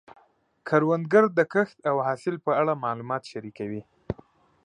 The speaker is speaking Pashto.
کروندګر د کښت او حاصل په اړه معلومات شریکوي